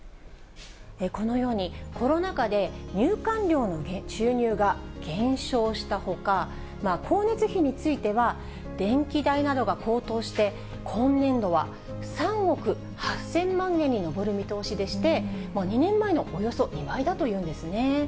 このように、コロナ禍で入館料の収入が減少したほか、光熱費については、電気代などが高騰して、今年度は３億８０００万円に上る見通しでして、２年前のおよそ２倍だというんですね。